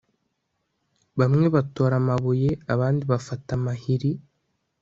bamwe batora amabuye, abandi bafata amahiri